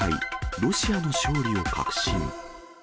ロシアの勝利を確信。